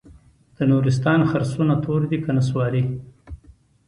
د نورستان خرسونه تور دي که نسواري؟